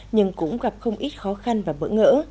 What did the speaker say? nhưng cũng gặp không ít khó khăn và bỡ ngỡ